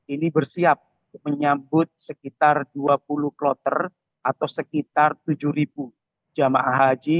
ini bersiap menyambut sekitar dua puluh kloter atau sekitar tujuh jamaah haji